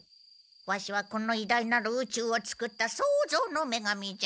ワシはこの偉大なる宇宙をつくった創造の女神じゃ！